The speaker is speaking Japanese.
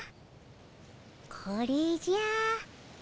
これじゃ。